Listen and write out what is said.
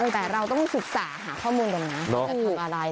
แต่เราต้องศึกษาหาข้อมูลก่อนนะว่าจะทำอะไร